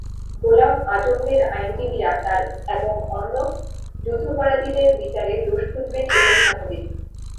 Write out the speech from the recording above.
গোলাম আযমদের আইনজীবীরা তাঁর এবং অন্য যুদ্ধাপরাধীদের বিচারে দোষ খুঁজবেন, সেটাই স্বাভাবিক।